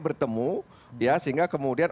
bertemu ya sehingga kemudian